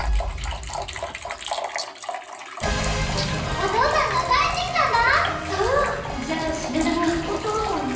お父さんが帰ってきたんだそうじゃあ品田のお父さんも？